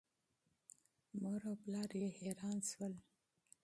مور او پلار یې حیران شول.